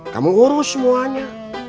kamu urus semuanya